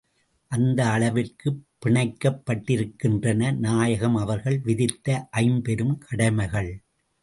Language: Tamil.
அந்த அளவிற்குப் பிணைக்கப் பட்டிருக்கின்றன நாயகம் அவர்கள் விதித்த ஐம்பெருங் கடமைகள்.